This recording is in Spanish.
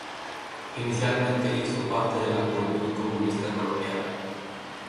Inicialmente hizo parte de la Juventud Comunista Colombiana.